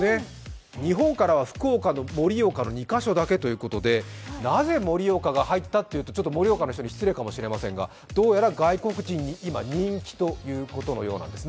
日本からは福岡と盛岡の２か所だけということでなぜ盛岡が入ったと言うと盛岡の人に失礼かもしれませんが、どうやら外国人に今、人気ということのようなんですね。